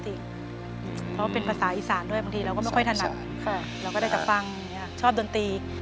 เพราะเป็นภาษาอีสานด้วยบางทีเราก็ไม่ค่อยถนัดเราก็ได้แต่ฟังชอบดนตรี